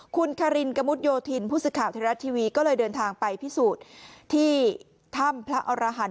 คุณกระมุดยวทินผู้สึกข่าวทะเลรัติทีวีก็เลยเดินทางไปวิสูจน์ที่ถ้ำพระอรหาร